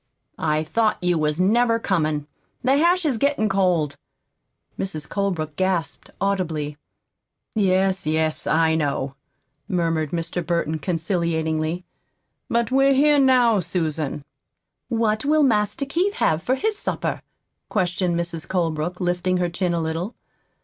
"I thought you wasn't never comin'. The hash is gettin' cold." Mrs. Colebrook gasped audibly. "Yes, yes, I know," murmured Mr. Burton conciliatingly. "But we're here now, Susan." "What will Master Keith have for his supper?" questioned Mrs. Colebrook, lifting her chin a little.